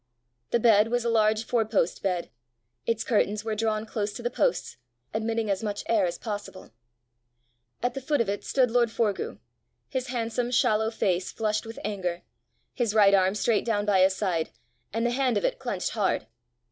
The bed was a large four post bed; its curtains were drawn close to the posts, admitting as much air as possible. At the foot of it stood lord Forgue, his handsome, shallow face flushed with anger, his right arm straight down by his side, and the hand of it clenched hard.